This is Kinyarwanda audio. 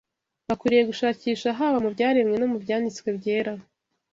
Bakwiriye gushakisha haba mu byaremwe no mu Byanditswe Byera